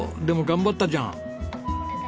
でも頑張ったじゃん！